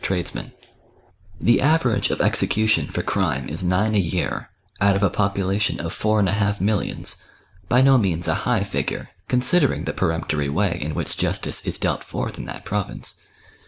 239 The average of execution for crime is nine a year, out of a population of four and a half millions, — by no means a high figure, considering the peremptory way in which justice is dealt forth in that province.